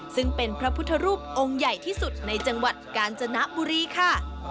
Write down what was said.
ซึ่งเป็นพระพุทธรูปองค์ใหญ่ที่สุดในจังหวัดกาญจนบุรีค่ะ